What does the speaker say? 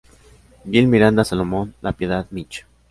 Gil Miranda Salomón La Piedad, Mich.